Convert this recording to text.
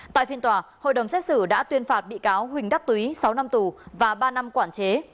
tại phiên tòa hội đồng xét xử đã tuyên phạt bị cáo huỳnh đắc túy sáu năm tù và ba năm quản chế